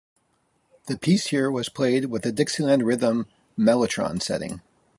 The piece here was played with the Dixieland Rhythm Mellotron setting.